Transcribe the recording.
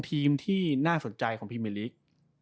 ๒ทีมที่น่าสนใจของพี่เมริก